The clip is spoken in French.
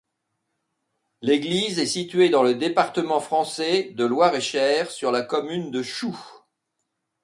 L'église est située dans le département français de Loir-et-Cher, sur la commune de Choue.